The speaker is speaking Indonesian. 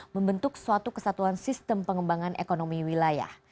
membentuk suatu kesatuan sistem pengembangan ekonomi wilayah